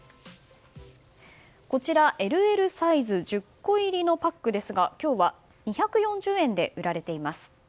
こちら、ＬＬサイズ１０個入りのパックですが今日は２４０円で売られています。